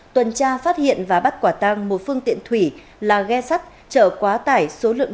tuần tra phát hiện và bắt quả tăng một phương tiện thủy là ghe sắt chở quá tải số lượng